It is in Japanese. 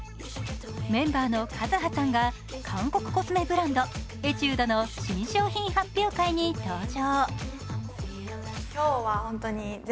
メンバーのＫＡＺＵＨＡさんが韓国コスメブランド、ＥＴＵＤＥの新商品発表会に登場。